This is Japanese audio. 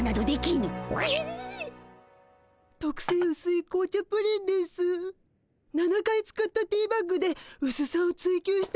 ７回使ったティーバッグでうすさを追求した味つけになってます。